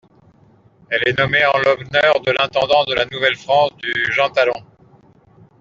Elle est nommée en l'honneur de l'intendant de la Nouvelle-France du Jean Talon.